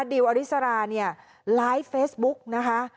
ดิวอริสราเนี่ยไลฟ์เฟซบุ๊กนะคะ